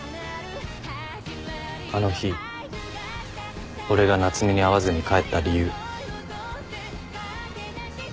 あの日俺が夏海に会わずに帰った理由。